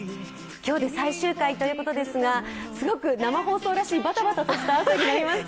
今日で最終回ということですが、すごく生放送らしいバタバタとした朝となりました。